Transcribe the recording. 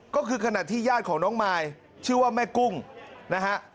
ก็คือขณะที่ญาติของน้องมายชื่อว่าแม่กุ้งนะฮะ